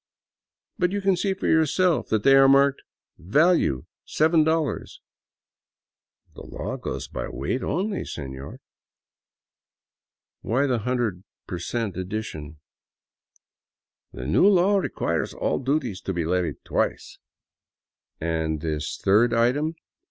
" But you can see for yourself that they are marked ' Value $7.' "" The law goes by weight only, senor." "Why the 100% addition?" " The new law requires all duties to be levied twice." "And this third item?"